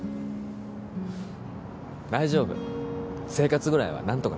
大丈夫生活ぐらいは何とかなるから。